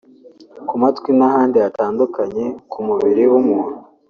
ku matwi n’ahandi hatandukanye ku mubiri w’umuntu